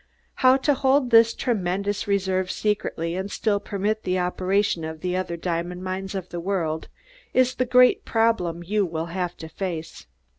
"How to hold this tremendous reserve secretly and still permit the operation of the other diamond mines of the world is the great problem you will have to face."